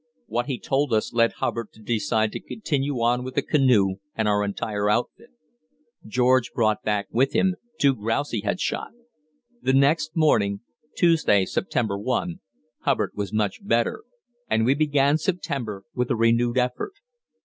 What he told us led Hubbard to decide to continue on with the canoe and our entire outfit. George brought back with him two grouse he had shot. The next morning (Tuesday, September 1) Hubbard was much better, and we began September with a renewed effort.